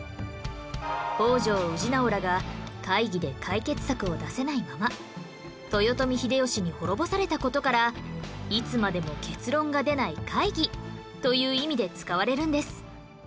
北条氏直らが会議で解決策を出せないまま豊臣秀吉に滅ぼされた事から「いつまでも結論が出ない会議」という意味で使われるんです